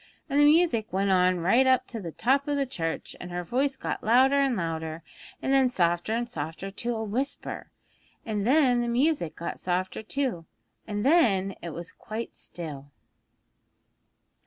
And the music went on right up to the top of the church, and her voice got louder and louder, and then softer and softer to a whisper, and then the music got softer too, and then it was quite still.'